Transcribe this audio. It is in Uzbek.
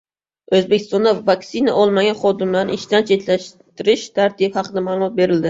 O‘zbekistonda vaksina olmagan xodimlarni ishdan chetlashtirish tartibi haqida ma’lumot berildi